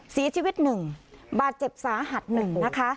เสียชีวิตหนึ่งบาดเจ็บสาหัดหนึ่งนะคะ